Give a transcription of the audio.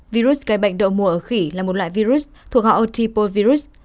virus gây bệnh đậu mùa ở khỉ là một loại virus thuộc họ otripovirus